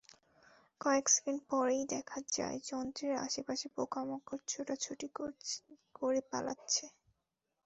কয়েক সেকেন্ড পরেই দেখা যায়, যন্ত্রের আশপাশের পোকামাকড় ছোটাছুটি করে পালাচ্ছে।